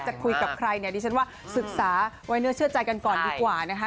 คุยกับใครเนี่ยดิฉันว่าศึกษาไว้เนื้อเชื่อใจกันก่อนดีกว่านะคะ